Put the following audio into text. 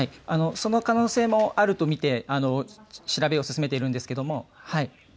その可能性もあると見て調べを進めているんですけども。